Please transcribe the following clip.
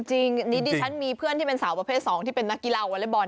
จริงดิฉันมีเพื่อนที่เป็นสาวประเภท๒ที่เป็นนักกีฬาวอเล็กบอล